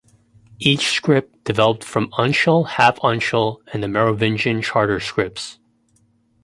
Each script developed from uncial, half-uncial, and the Merovingian charter scripts.